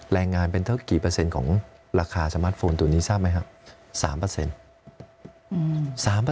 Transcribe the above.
แรงงานเป็นเท่ากี่เปอร์เซ็นต์ของราคาสมาร์ทโฟนตัวนี้ทราบไหมครับ